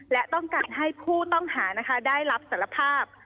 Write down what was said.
และต้องการให้ผู้ต้องหาได้รับสารภาพ